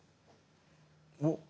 おっ！